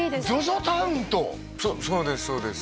そうです